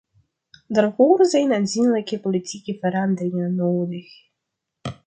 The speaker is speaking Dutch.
Daarvoor zijn aanzienlijke politieke veranderingen nodig.